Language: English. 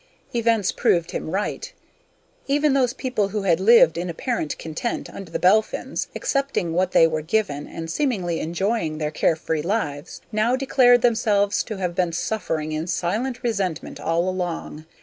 Events proved him right. Even those people who had lived in apparent content under the Belphins, accepting what they were given and seemingly enjoying their carefree lives, now declared themselves to have been suffering in silent resentment all along.